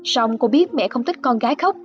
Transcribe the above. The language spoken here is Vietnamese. xong cô biết mẹ không thích con gái khóc